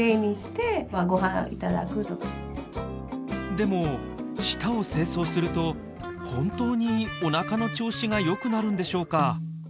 でも舌を清掃すると本当にお腹の調子がよくなるんでしょうか？